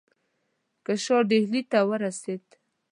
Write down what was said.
که شاه ډهلي ته را ورسېد.